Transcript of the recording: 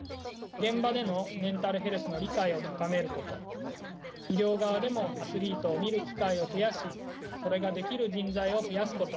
現場でのメンタルヘルスの理解を高めること医療側でもアスリートを診る機会を増やしそれができる人材を増やすこと。